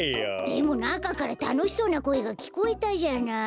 でもなかからたのしそうなこえがきこえたじゃない。